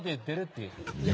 いや。